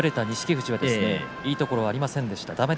富士はいいところがありませんでした。